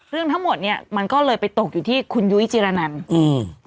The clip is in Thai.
เรื่องทั้งหมดเนี้ยมันก็เลยไปตกอยู่ที่คุณยุ้ยจิรนันอืม